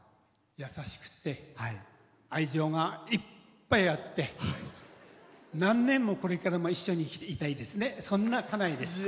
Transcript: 優しくて愛情がいっぱいあって何年も、これからも一緒にいたいそんな家内です。